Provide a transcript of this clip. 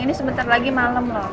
ini sebentar lagi malem lho